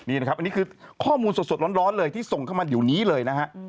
อันนี้คือข้อมูลสดร้อนเลยที่ส่งเข้ามันตอนนี้เลยนะฮะ